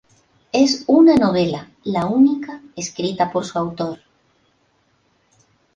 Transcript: Es una novela, la única escrita por su autor.